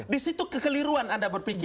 di situ kekeliruan anda berpikir